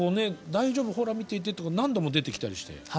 「大丈夫ほら見ていて」って何度も出てきたりして。